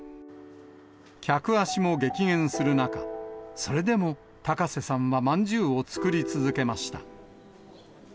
客足も激減する中、それでも、高瀬さんはまんじゅうを作り続けました。